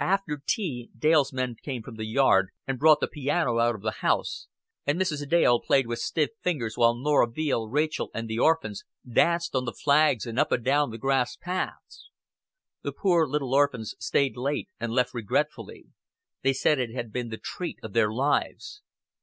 After tea Dale's men came from the yard and brought the piano out of the house, and Mrs. Dale played with stiff fingers while Norah Veale, Rachel, and the orphans danced on the flags and up and down the grass paths. The poor little orphans stayed late, and left regretfully. They said it had been the treat of their lives.